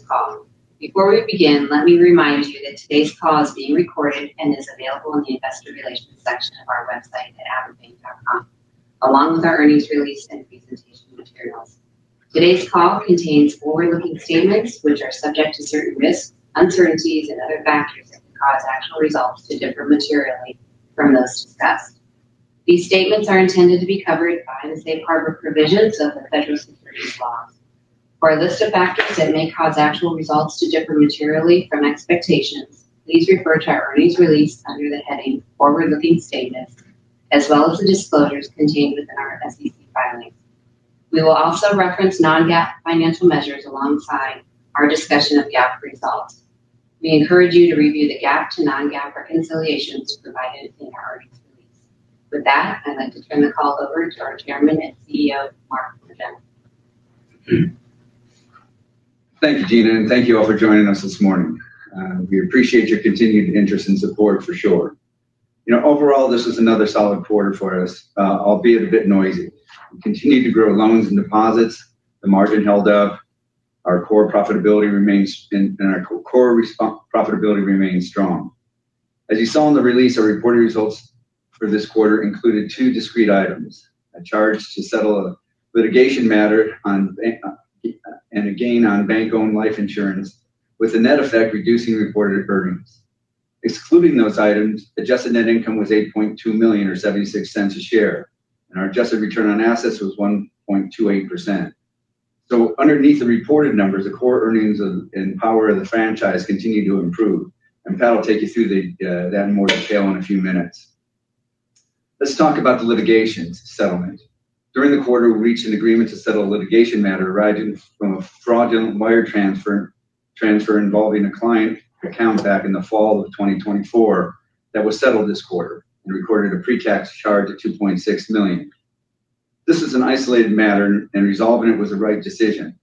conference call. Before we begin, let me remind you that today's call is being recorded and is available in the investor relations section of our website at avidbank.com, along with our earnings release and presentation materials. Today's call contains forward-looking statements, which are subject to certain risks, uncertainties, and other factors that can cause actual results to differ materially from those discussed. These statements are intended to be covered by the safe harbor provisions of the federal securities laws. For a list of factors that may cause actual results to differ materially from expectations, please refer to our earnings release under the heading Forward-Looking Statements, as well as the disclosures contained within our SEC filings. We will also reference non-GAAP financial measures alongside our discussion of GAAP results. We encourage you to review the GAAP to non-GAAP reconciliations provided in our earnings release. With that, I'd like to turn the call over to our Chairman and CEO, Mark Mordell. Thank you, Gina, and thank you all for joining us this morning. We appreciate your continued interest and support for sure. Overall, this was another solid quarter for us, albeit a bit noisy. We continued to grow loans and deposits. The margin held up, and our core profitability remains strong. As you saw in the release, our reported results for this quarter included two discrete items, a charge to settle a litigation matter and a gain on bank-owned life insurance, with the net effect reducing reported earnings. Excluding those items, adjusted net income was $8.2 million, or $0.76 a share, and our adjusted return on assets was 1.28%. So underneath the reported numbers, the core earnings and power of the franchise continue to improve, and Pat will take you through that in more detail in a few minutes. Let's talk about the litigation settlement. During the quarter, we reached an agreement to settle a litigation matter arising from a fraudulent wire transfer involving a client account back in the fall of 2024 that was settled this quarter and recorded a pre-tax charge of $2.6 million. This is an isolated matter, and resolving it was the right decision.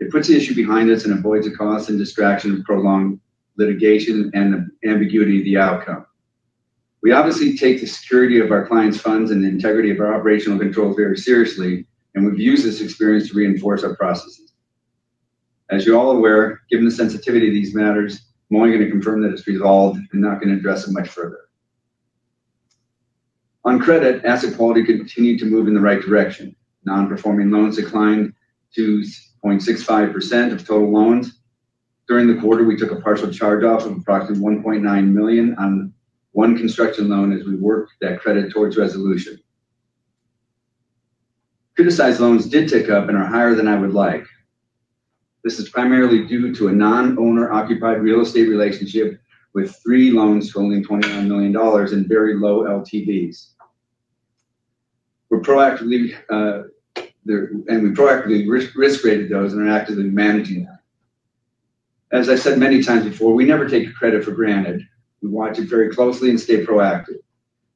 It puts the issue behind us and avoids the cost and distraction of prolonged litigation and the ambiguity of the outcome. We obviously take the security of our clients' funds and the integrity of our operational controls very seriously, and we've used this experience to reinforce our processes. As you're all aware, given the sensitivity of these matters, I'm only going to confirm that it's resolved and not going to address it much further. On credit, asset quality continued to move in the right direction. Non-performing loans declined to 0.65% of total loans. During the quarter, we took a partial charge-off of approximately $1.9 million on one construction loan as we work that credit towards resolution. Criticized loans did tick up and are higher than I would like. This is primarily due to a non-owner occupied real estate relationship with three loans totaling $29 million and very low LTVs. We've proactively risk-rated those and are actively managing that. As I said many times before, we never take a credit for granted. We watch it very closely and stay proactive.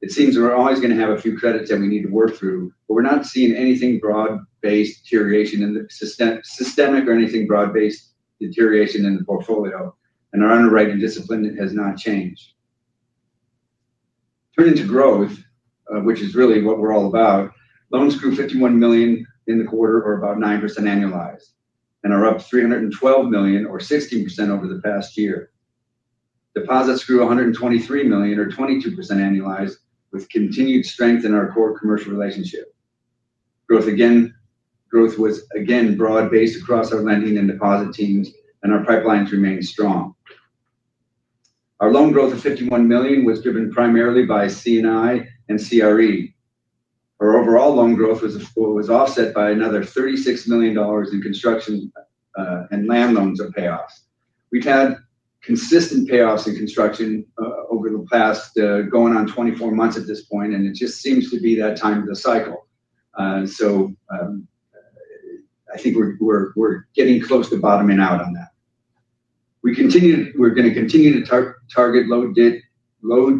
It seems we're always going to have a few credits that we need to work through, but we're not seeing anything broad-based deterioration in the portfolio, and our underwriting discipline has not changed. Turning to growth, which is really what we're all about, loans grew $51 million in the quarter or about 9% annualized, and are up $312 million or 16% over the past year. Deposits grew $123 million or 22% annualized, with continued strength in our core commercial relationship. Growth was again broad-based across our lending and deposit teams. Our pipelines remain strong. Our loan growth of $51 million was driven primarily by C&I and CRE. Our overall loan growth was offset by another $36 million in construction and land loans of payoffs. We've had consistent payoffs in construction over the past going on 24 months at this point, and it just seems to be that time of the cycle. I think we're getting close to bottoming out on that. We're going to continue to target low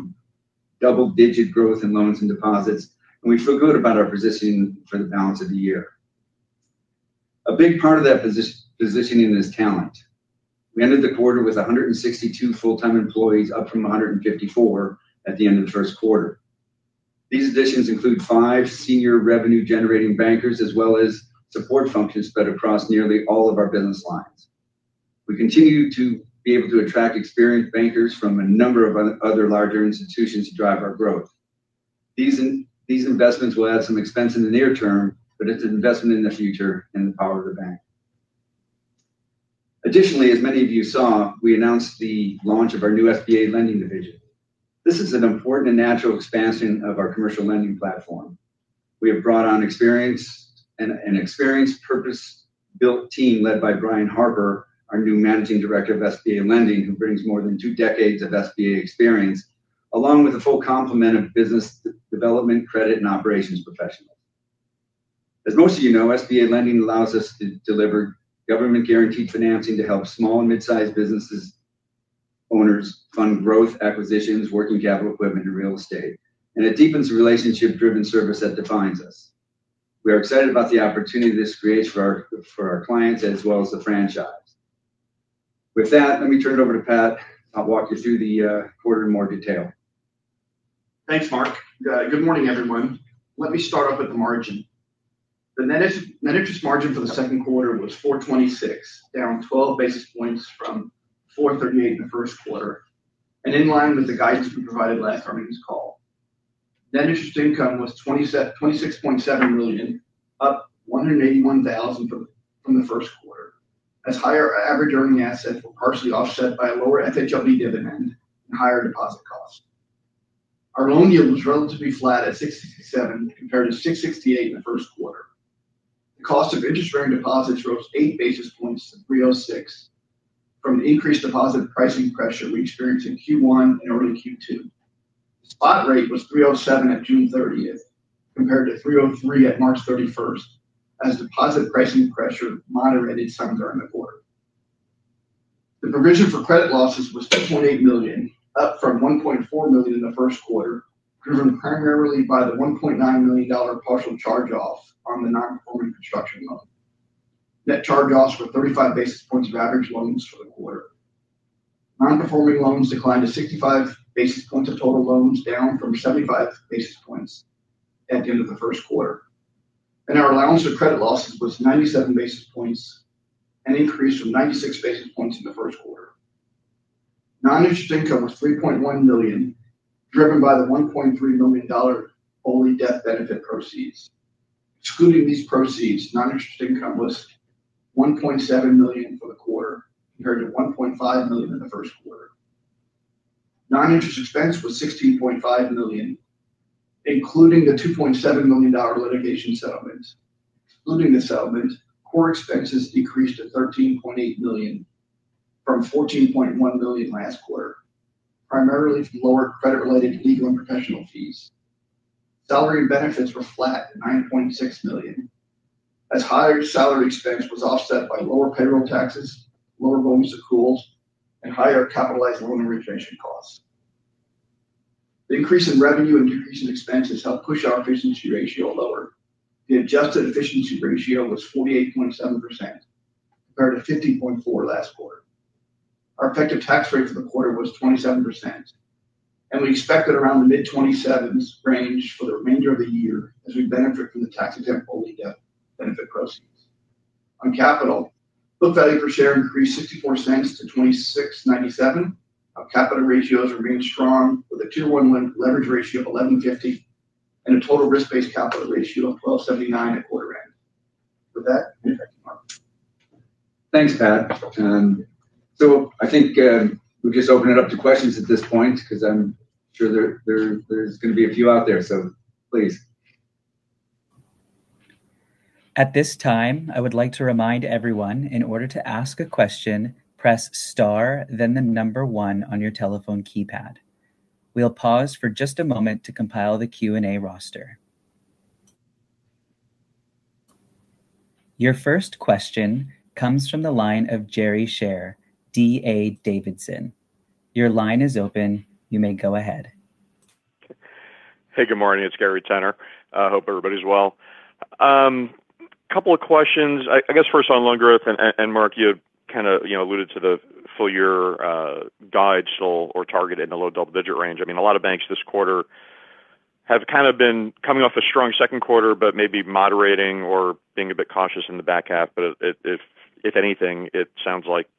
double-digit growth in loans and deposits, and we feel good about our positioning for the balance of the year. A big part of that positioning is talent. We ended the quarter with 162 full-time employees, up from 154 at the end of the first quarter. These additions include five senior revenue-generating bankers, as well as support functions spread across nearly all of our business lines. We continue to be able to attract experienced bankers from a number of other larger institutions to drive our growth. These investments will add some expense in the near term, it's an investment in the future and the power of the bank. Additionally, as many of you saw, we announced the launch of our new SBA lending division. This is an important and natural expansion of our commercial lending platform. We have brought on an experienced purpose-built team led by Brian Harper, our new Managing Director of SBA Lending, who brings more than two decades of SBA experience, along with a full complement of business development, credit, and operations professionals. As most of you know, SBA lending allows us to deliver government-guaranteed financing to help small and mid-sized businesses owners fund growth, acquisitions, working capital, equipment, and real estate. It deepens the relationship-driven service that defines us. We are excited about the opportunity this creates for our clients as well as the franchise. With that, let me turn it over to Pat. He'll walk you through the quarter in more detail. Thanks, Mark. Good morning, everyone. Let me start off with the net interest margin. The net interest margin for the second quarter was 426, down 12 basis points from 438 in the first quarter, and in line with the guidance we provided last earnings call. Net interest income was $26.7 million, up $181,000 from the first quarter, as higher average earning assets were partially offset by a lower FHLB dividend and higher deposit costs. Our loan yield was relatively flat at 667, compared to 668 in the first quarter. The cost of interest-bearing deposits rose 8 basis points to 306 from the increased deposit pricing pressure we experienced in Q1 and early Q2. Spot rate was 307 at June 30th, compared to 303 at March 31st, as deposit pricing pressure moderated some during the quarter. The provision for credit losses was $2.8 million, up from $1.4 million in the first quarter, driven primarily by the $1.9 million partial charge-off on the non-performing construction loan. Net charge-offs were 35 basis points of average loans for the quarter. Non-performing loans declined to 65 basis points of total loans, down from 75 basis points at the end of the first quarter. Our allowance for credit losses was 97 basis points, an increase from 96 basis points in the first quarter. Non-interest income was $3.1 million, driven by the $1.3 million BOLI death benefit proceeds. Excluding these proceeds, non-interest income was $1.7 million for the quarter, compared to $1.5 million in the first quarter. Non-interest expense was $16.5 million, including the $2.7 million litigation settlement. Excluding the settlement, core expenses decreased to $13.8 million from $14.1 million last quarter, primarily from lower credit-related legal and professional fees. Salary benefits were flat at $9.6 million, as higher salary expense was offset by lower payroll taxes, lower loans accruals, and higher capitalized loan origination costs. The increase in revenue and decrease in expenses helped push our efficiency ratio lower. The adjusted efficiency ratio was 48.7%, compared to 50.4% last quarter. Our effective tax rate for the quarter was 27%, and we expect it around the mid-27s range for the remainder of the year as we benefit from the tax-exempt BOLI death benefit proceeds. On capital, book value per share increased $0.64-$26.97. Our capital ratios remain strong with a Tier 1 leverage ratio of 1150 and a total risk-based capital ratio of 1279 at quarter end. With that, I'll hand it back to Mark. Thanks, Pat. I think we'll just open it up to questions at this point because I'm sure there's going to be a few out there. Please. At this time, I would like to remind everyone, in order to ask a question, press star then the number one on your telephone keypad. We'll pause for just a moment to compile the Q&A roster. Your first question comes from the line of Gary Tenner, D.A. Davidson. Your line is open. You may go ahead. Hey, good morning. It's Gary Tenner. Hope everybody's well. Couple of questions. I guess first on loan growth. Mark, you kind of alluded to the full year guide or target in the low double-digit range. A lot of banks this quarter have kind of been coming off a strong second quarter, but maybe moderating or being a bit cautious in the back half. If anything, it sounds like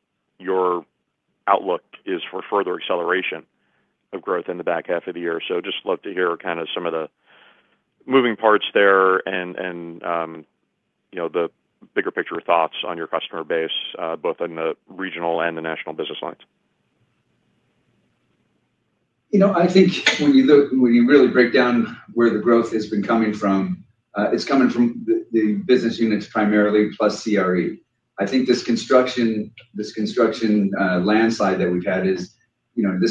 your outlook is for further acceleration of growth in the back half of the year. Just love to hear kind of some of the moving parts there and the bigger picture thoughts on your customer base, both in the regional and the national business lines. I think when you really break down where the growth has been coming from, it's coming from the business units primarily, plus CRE. This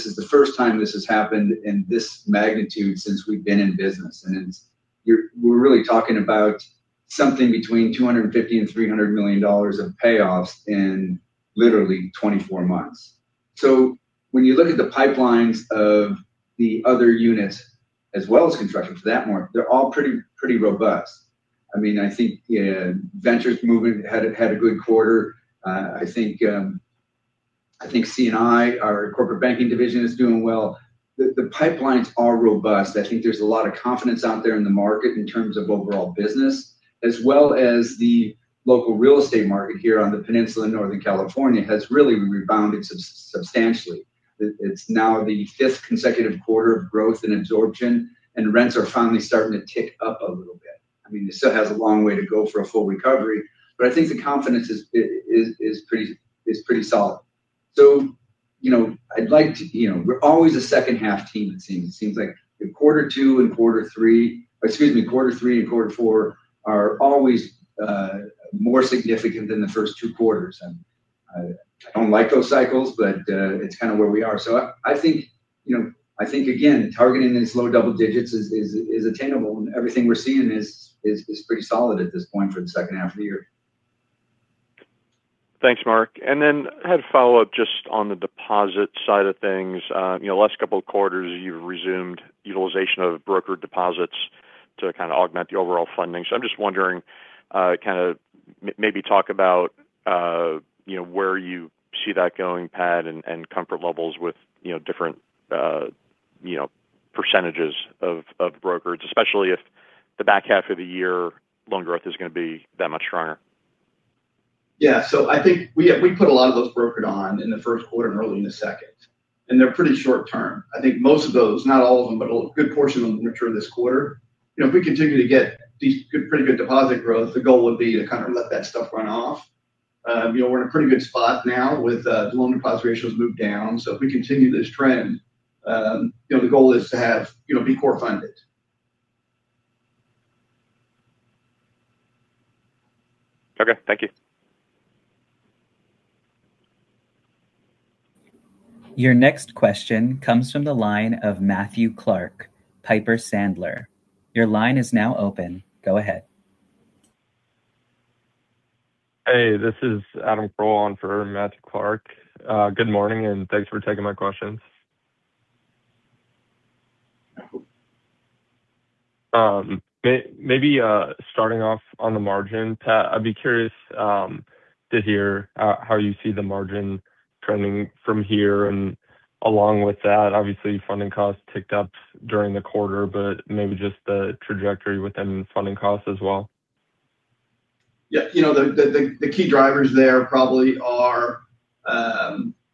is the first time this has happened in this magnitude since we've been in business. We're really talking about something between $250 million and $300 million of payoffs in literally 24 months. When you look at the pipelines of the other units, as well as construction, to that one, they're all pretty robust. I think ventures moving had a good quarter. I think C&I, our corporate banking division, is doing well. The pipelines are robust. I think there's a lot of confidence out there in the market in terms of overall business, as well as the local real estate market here on the peninsula in Northern California has really rebounded substantially. It's now the fifth consecutive quarter of growth and absorption. Rents are finally starting to tick up a little bit. It still has a long way to go for a full recovery, but I think the confidence is pretty solid. We're always a second-half team, it seems. It seems like quarter three and quarter four are always more significant than the first two quarters. I don't like those cycles, but it's kind of where we are. I think, again, targeting in this low double digits is attainable, and everything we're seeing is pretty solid at this point for the second half of the year. Thanks, Mark. I had a follow-up just on the deposit side of things. Last couple of quarters, you've resumed utilization of broker deposits. To kind of augment the overall funding. I'm just wondering, kind of maybe talk about where you see that going, Pat, and comfort levels with different percentages of brokerage, especially if the back half of the year loan growth is going to be that much stronger. Yeah. I think we put a lot of those brokered on in the first quarter and early in the second. They're pretty short-term. I think most of those, not all of them, but a good portion of them mature this quarter. If we continue to get pretty good deposit growth, the goal would be to kind of let that stuff run off. We're in a pretty good spot now with the loan-to-deposit ratios moved down. If we continue this trend, the goal is to be core funded. Okay. Thank you. Your next question comes from the line of Matthew Clark, Piper Sandler. Your line is now open. Go ahead. Hey, this is Adam Kroll on for Matthew Clark. Good morning, and thanks for taking my questions. Maybe starting off on the margin, Pat, I'd be curious to hear how you see the margin trending from here. Along with that, obviously funding costs ticked up during the quarter, but maybe just the trajectory within funding costs as well. Yeah. The key drivers there probably are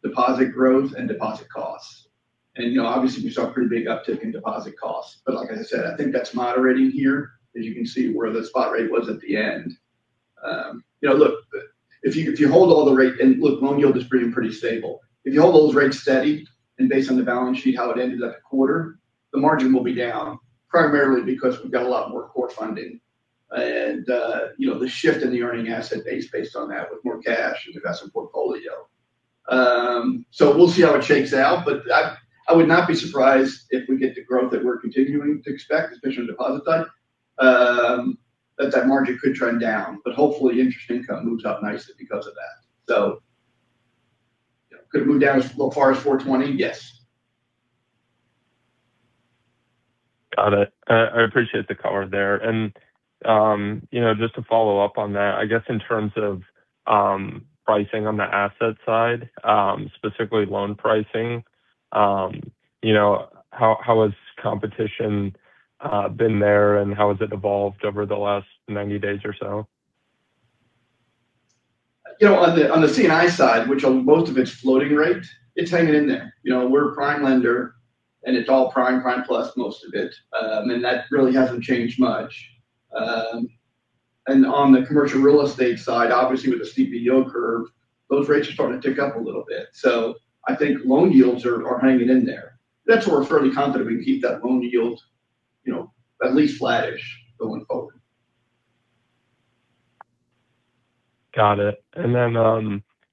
deposit growth and deposit costs. Obviously we saw a pretty big uptick in deposit costs. Like I said, I think that's moderating here, as you can see where the spot rate was at the end. Look, loan yield is pretty stable. If you hold those rates steady, and based on the balance sheet how it ended that quarter, the margin will be down primarily because we've got a lot more core funding. The shift in the earning asset base based on that with more cash in the investment portfolio. We'll see how it shakes out. I would not be surprised if we get the growth that we're continuing to expect, especially on the deposit side, that that margin could trend down. Hopefully interest income moves up nicely because of that. Could it move down as far as 420? Yes. Got it. I appreciate the color there. Just to follow up on that, I guess in terms of pricing on the asset side, specifically loan pricing, how has competition been there and how has it evolved over the last 90 days or so? On the C&I side, which on most of it's floating rate, it's hanging in there. We're a prime lender and it's all prime plus most of it. That really hasn't changed much. On the commercial real estate side, obviously with the steep yield curve, those rates are starting to tick up a little bit. I think loan yields are hanging in there. That's where we're fairly confident we can keep that loan yield at least flattish going forward. Got it.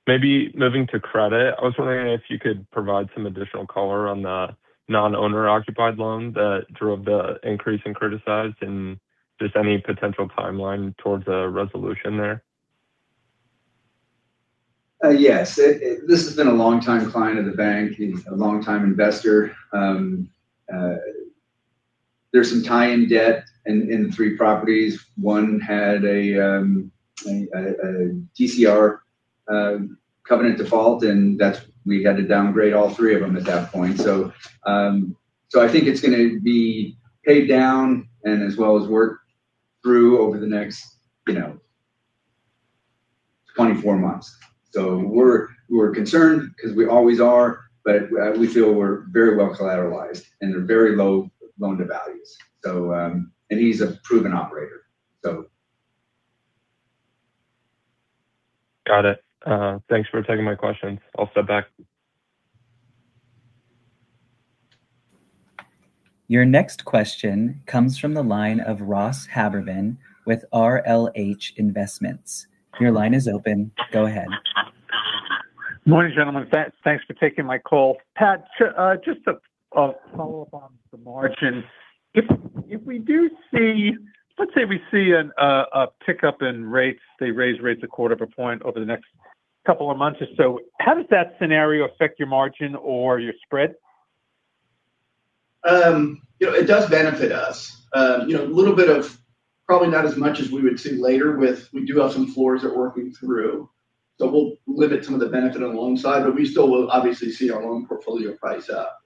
Maybe moving to credit, I was wondering if you could provide some additional color on the non-owner occupied loan that drove the increase in criticized and just any potential timeline towards a resolution there? Yes. This has been a long-time client of the bank. He's a long-time investor. There's some tie in debt in the three properties. One had a DCR covenant default, we had to downgrade all three of them at that point. I think it's going to be paid down and as well as worked through over the next 24 months. We're concerned because we always are, but we feel we're very well collateralized and they're very low loan to values. He's a proven operator. Got it. Thanks for taking my questions. I'll step back. Your next question comes from the line of Ross Haberman with RLH Investments. Your line is open. Go ahead. Morning, gentlemen. Thanks for taking my call. Pat, just to follow up on the margin. If we do see, let's say we see a pickup in rates, they raise rates a quarter of a point over the next couple of months or so, how does that scenario affect your margin or your spread? It does benefit us. A little bit of probably not as much as we would see later with, we do have some floors that working through, so we'll limit some of the benefit on the loan side, but we still will obviously see our loan portfolio price up.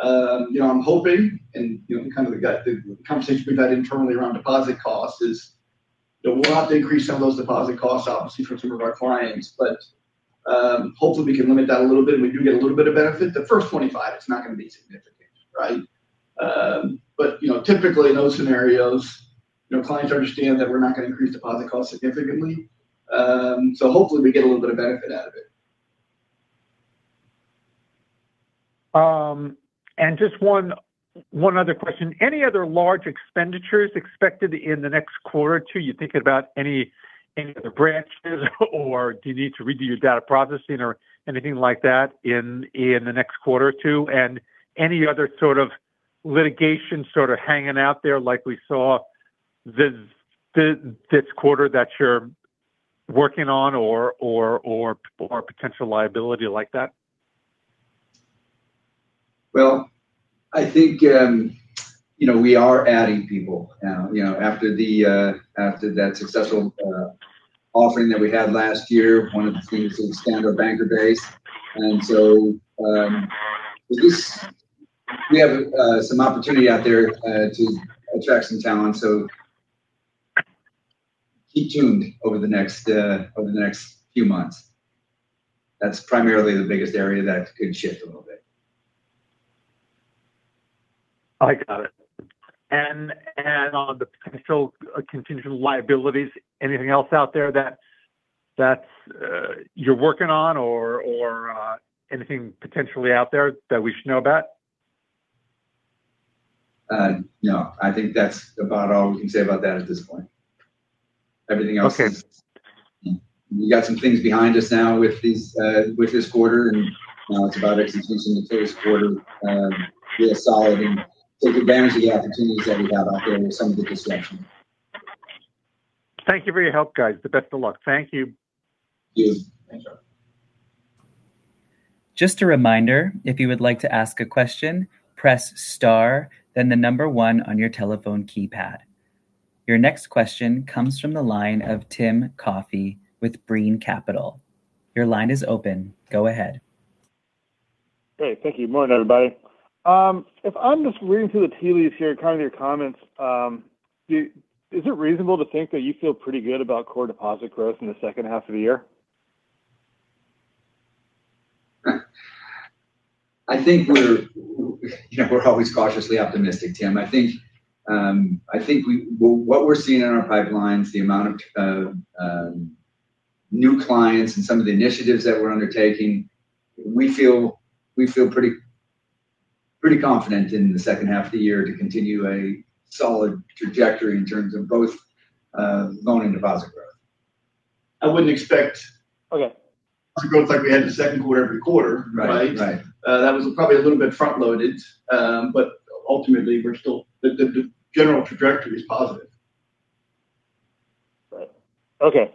I'm hoping, and kind of the conversations we've had internally around deposit costs is that we'll have to increase some of those deposit costs obviously for some of our clients. Hopefully we can limit that a little bit and we do get a little bit of benefit. The first 25, it's not going to be significant, right? Typically in those scenarios, clients understand that we're not going to increase deposit costs significantly. Hopefully we get a little bit of benefit out of it. Just one other question. Any other large expenditures expected in the next quarter or two? You thinking about any other branches or do you need to redo your data processing or anything like that in the next quarter or two? Any other sort of litigation sort of hanging out there like we saw this quarter that you're working on or potential liability like that? Well, I think we are adding people now after that successful offering that we had last year, one of the things that would stand our banker base. We have some opportunity out there to attract some talent. Keep tuned over the next few months. That's primarily the biggest area that could shift a little bit. I got it. On the potential contingent liabilities, anything else out there that you're working on or anything potentially out there that we should know about? No. I think that's about all we can say about that at this point. Okay. We got some things behind us now with this quarter, now it's about executing the first quarter really solid and take advantage of the opportunities that we have out there with some of the discussion. Thank you for your help, guys. The best of luck. Thank you. Yes. Thanks, Ross. Just a reminder, if you would like to ask a question, press star, then the number one on your telephone keypad. Your next question comes from the line of Tim Coffey with Brean Capital. Your line is open. Go ahead. Great. Thank you. Morning, everybody. If I'm just reading through the tea leaves here, kind of your comments, is it reasonable to think that you feel pretty good about core deposit growth in the second half of the year? I think we're always cautiously optimistic, Tim. I think what we're seeing in our pipelines, the amount of new clients and some of the initiatives that we're undertaking, we feel pretty confident in the second half of the year to continue a solid trajectory in terms of both loan and deposit growth. I wouldn't expect. Okay to growth like we had in the second quarter every quarter. Right. That was probably a little bit front-loaded. Ultimately, the general trajectory is positive. Right. Okay.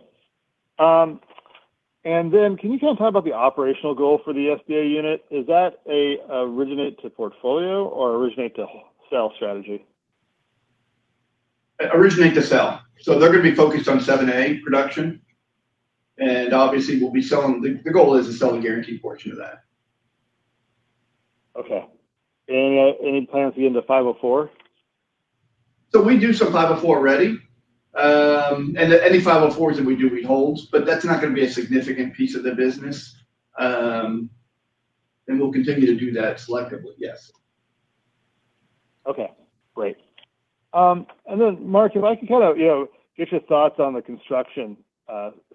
Can you tell me about the operational goal for the SBA unit? Is that a originate to portfolio or originate to sell strategy? Originate to sell. They're going to be focused on 7A production, and obviously the goal is to sell the guaranteed portion of that. Okay. Any plans to get into 504? We do some 504 already. Any 504s that we do, we hold, but that's not going to be a significant piece of the business. We'll continue to do that selectively, yes. Okay, great. Mark, if I could kind of get your thoughts on the construction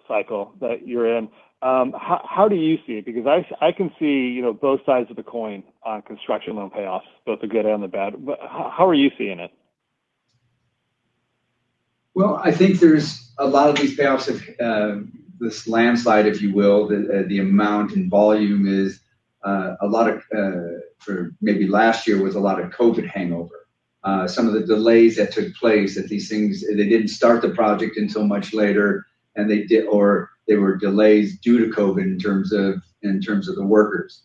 cycle that you're in. How do you see it? I can see both sides of the coin on construction loan payoffs, both the good and the bad, how are you seeing it? Well, I think there's a lot of these payoffs of this landslide, if you will. The amount in volume is, maybe last year was a lot of COVID hangover. Some of the delays that took place, they didn't start the project until much later, or there were delays due to COVID in terms of the workers.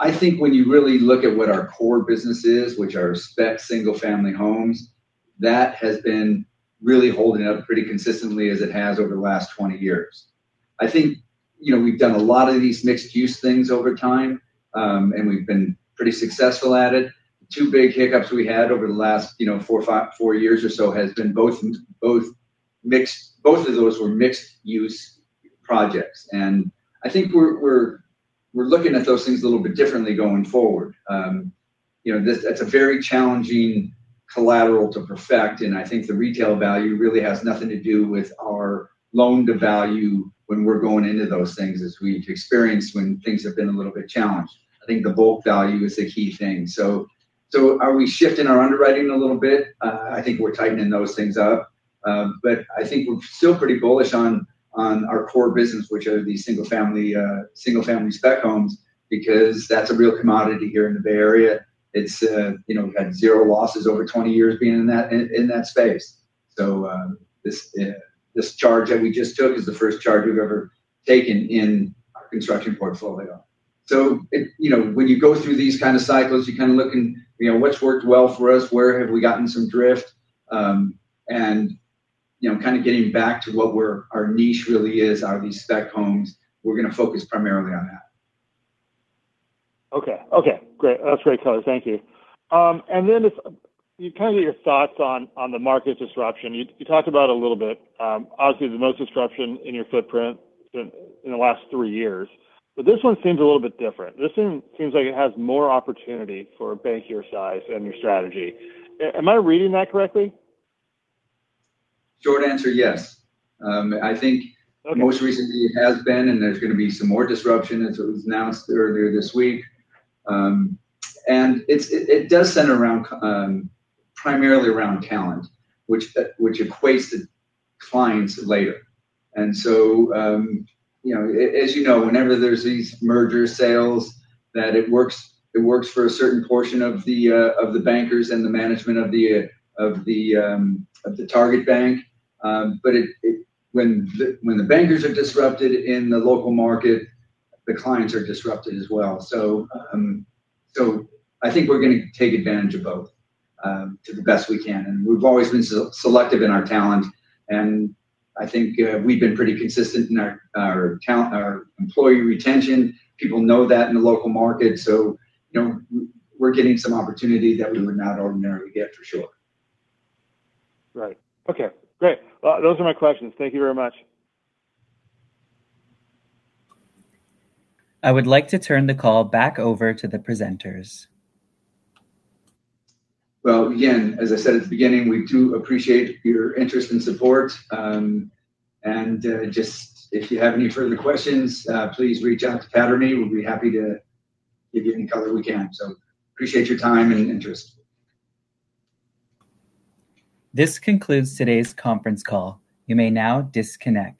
I think when you really look at what our core business is, which are spec single-family homes, that has been really holding up pretty consistently as it has over the last 20 years. I think we've done a lot of these mixed-use things over time, and we've been pretty successful at it. Two big hiccups we had over the last four years or so has been both of those were mixed-use projects. I think we're looking at those things a little bit differently going forward. That's a very challenging collateral to perfect, I think the retail value really has nothing to do with our loan-to-value when we're going into those things, as we've experienced when things have been a little bit challenged. I think the bulk value is the key thing. Are we shifting our underwriting a little bit? I think we're tightening those things up. I think we're still pretty bullish on our core business, which are these single-family spec homes, because that's a real commodity here in the Bay Area. We've had zero losses over 20 years being in that space. This charge that we just took is the first charge we've ever taken in our construction portfolio. When you go through these kind of cycles, you kind of look in what's worked well for us, where have we gotten some drift, kind of getting back to what our niche really is, are these spec homes. We're going to focus primarily on that. Okay. Great. That's great color. Thank you. Just can I get your thoughts on the market disruption? You talked about a little bit, obviously the most disruption in your footprint in the last three years, this one seems a little bit different. This one seems like it has more opportunity for a bank your size and your strategy. Am I reading that correctly? Short answer, yes. Okay Most recently it has been, there's going to be some more disruption as it was announced earlier this week. It does center primarily around talent, which equates to clients later. As you know, whenever there's these merger sales, that it works for a certain portion of the bankers and the management of the target bank. When the bankers are disrupted in the local market, the clients are disrupted as well. I think we're going to take advantage of both, to the best we can. We've always been selective in our talent, I think we've been pretty consistent in our employee retention. People know that in the local market, we're getting some opportunity that we would not ordinarily get, for sure. Right. Okay, great. Those are my questions. Thank you very much. I would like to turn the call back over to the presenters. Well, again, as I said at the beginning, we do appreciate your interest and support. If you have any further questions, please reach out to Pat or me. We'll be happy to give you any color we can. Appreciate your time and interest. This concludes today's conference call. You may now disconnect.